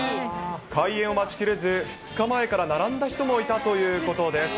開園を待ちきれず、２日前から並んだ人もいたということです。